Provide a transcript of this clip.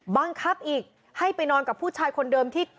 บังคับอีกให้ไปนอนกับผู้ชายคนเดิมที่